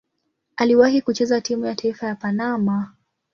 Aliwahi kucheza timu ya taifa ya Panama.